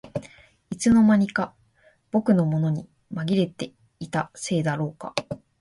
いつの間にか僕のものにまぎれていたせいだろうか